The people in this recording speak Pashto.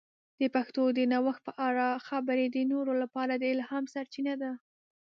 د پښتو د نوښت په اړه خبرې د نورو لپاره د الهام سرچینه ده.